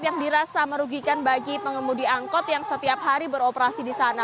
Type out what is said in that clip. yang dirasa merugikan bagi pengemudi angkot yang setiap hari beroperasi di sana